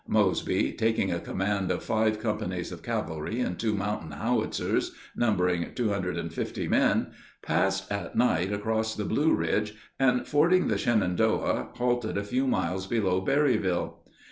Mosby, taking a command of five companies of cavalry and two mountain howitzers, numbering two hundred and fifty men, passed at night across the Blue Ridge, and fording the Shenandoah, halted a few miles below Berryville.